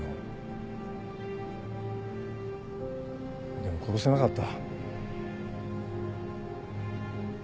でも殺せなかった。